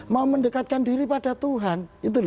mau mendekatkan diri pada tuhan